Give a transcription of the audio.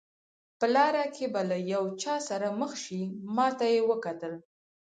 په لاره کې به له یو چا سره مخ شئ، ما ته یې وکتل.